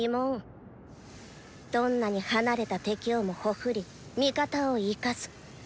どんなに離れた敵をも屠り味方を生かす。